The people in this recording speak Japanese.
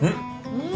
うん？